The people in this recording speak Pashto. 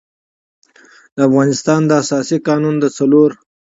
د افغانستان د اساسي قـانون د څلور